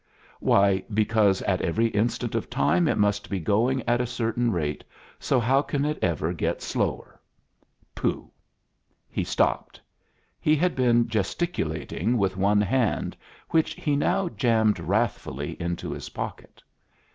Why, because at every instant of time it must be going at a certain rate, so how can it ever get slower? Pooh!" He stopped. He had been gesticulating with one hand, which he now jammed wrathfully into his pocket.